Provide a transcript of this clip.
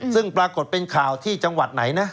ซึ่งปรากฏเป็นข่าวที่จังหวัดไหนนะ